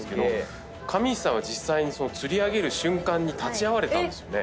上市さんは実際に釣り上げる瞬間に立ち会われたんですよね。